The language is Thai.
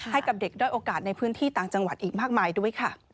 ให้กับเด็กด้อยโอกาสในพื้นที่ต่างจังหวัดอีกมากมายด้วยค่ะ